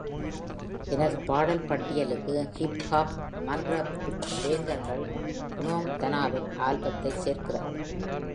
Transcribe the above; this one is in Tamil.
எனது பாடல் பட்டியலுக்கு ஹிப் ஹாப் மன்ற பேங்கர்கள் புனோங் தனாவின் ஆல்பத்தைச் சேர்க்கிறார்கள்.